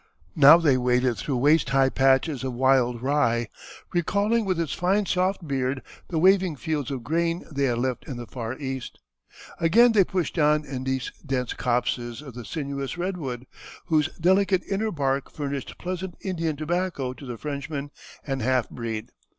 Now they waded through waist high patches of wild rye, recalling with its fine soft beard the waving fields of grain they had left in the far East; again they pushed on in dense copses of the sinuous redwood, whose delicate inner bark furnished pleasant Indian tobacco to the Frenchman and half breed.